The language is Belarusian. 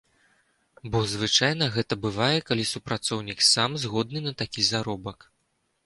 Бо звычайна, гэта бывае, калі супрацоўнік сам згодны на такі заробак.